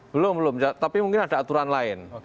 belum belum tapi mungkin ada aturan lain